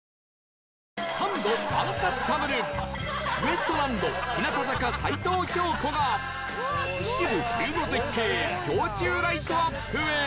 サンドアンタッチャブルウエストランド日向坂齊藤京子が秩父冬の絶景氷柱ライトアップへ！